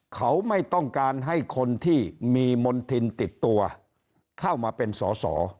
เขาไม่ต้องการให้คนที่มีมณฑินติดตัวเข้ามาเป็นสอสอ